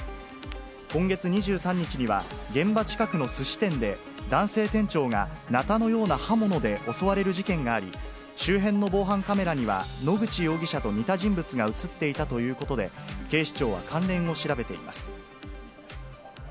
今月２３日には、現場近くのすし店で、男性店長がなたのような刃物で襲われる事件があり、周辺の防犯カメラには、野口容疑者と似た人物が写っていたということで、警視庁は関連を調べています。